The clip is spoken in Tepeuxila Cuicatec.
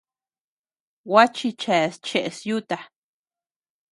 Gua chichas cheʼes yuta.